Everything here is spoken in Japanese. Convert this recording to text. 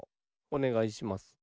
おねがいします。